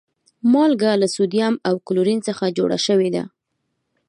مالګه له سودیم او کلورین څخه جوړه شوی ده